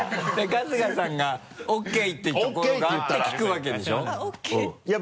春日さんが「ＯＫ」ってところがあって聞くわけでしょ？ＯＫって言ったら。